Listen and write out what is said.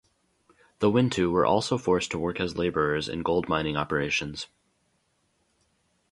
The Wintu were also forced to work as laborers in gold mining operations.